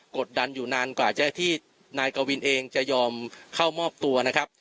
กดดันอยู่นานกว่าจะที่นายกวินเองจะยอมเข้ามอบตัวนะครับ